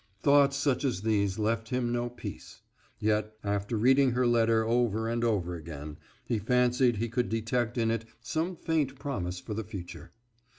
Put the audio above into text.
Thoughts such as these left him no peace; yet, after reading her letter over and over again, he fancied he could detect in it some faint promise for the future.